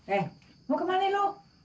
eh mau ke mana lo